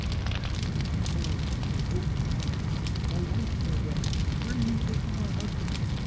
... I was hit and thrown into an open car. My wife called out :* Where are you taking my husband